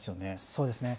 そうですね。